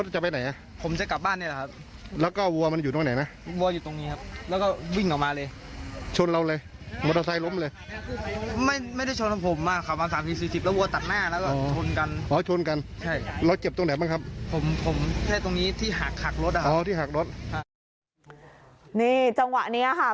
จังหวะนี้ค่ะคือจริงตอนแรกเราก็คิดว่า